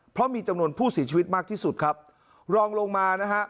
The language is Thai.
เพราะมีจำนวนผู้เสียชีวิตมากที่สุดครับรองลงมานะฮะ